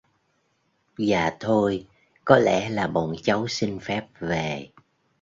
Dạ thôi Có lẽ là bọn cháu xin phép về